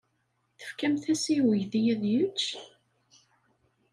Tefkamt-as i uydi ad yečč?